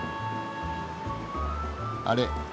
あれ？